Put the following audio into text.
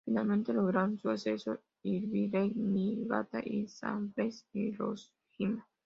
Finalmente lograron su ascenso Albirex Niigata y Sanfrecce Hiroshima.